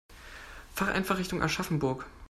Fahre einfach Richtung Aschaffenburg